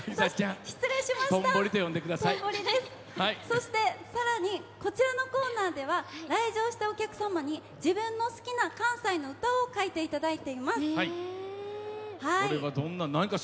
そして、さらにこちらのコーナーでは来場したお客様に自分の好きな関西の歌を書いていただいています。